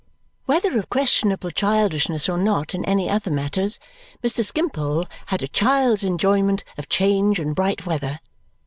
Whether of questionable childishness or not in any other matters, Mr. Skimpole had a child's enjoyment of change and bright weather.